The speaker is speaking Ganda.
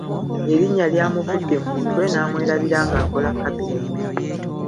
Erinnya lyamuvudde mu mutwe n’amwerabira ng’akola kabineeti.